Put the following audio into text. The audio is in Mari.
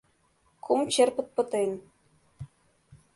Кум черпыт пытен.